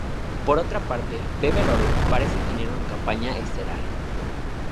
Por otra parte, V Velorum parece tener una compañera estelar.